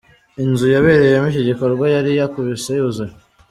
Inzu yabereyemo iki gikorwa yari yakubise yuzuye.